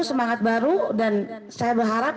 semangat baru dan saya berharap